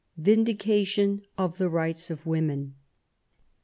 VINDICATION OP THE BIGHTS OP WOMEN.